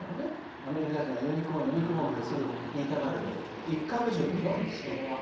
アメリカ人は、ユニコーンってすぐ言いたがるけど一角獣でしょ。